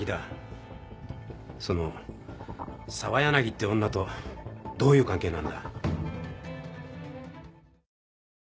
その澤柳って女とどういう関係なんだ？